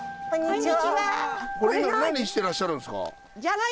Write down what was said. これ今何してらっしゃるんですか？